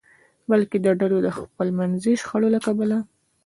بلکې د ډلو د خپلمنځي شخړو له کبله.